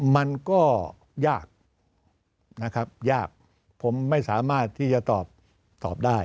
มันก็ยากนะครับยากผมไม่สามารถที่จะตอบตอบได้